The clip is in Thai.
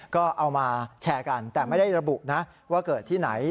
ก็เอามาแชร์กันแต่ไม่ได้ระบุนะว่าเกิดที่ไหน